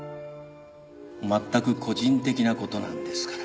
全く個人的な事なんですから。